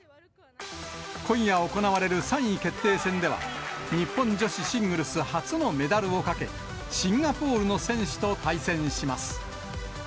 今夜行われる３位決定戦では、日本女子シングルス初のメダルをかけ、シンガポールの選手と対戦します。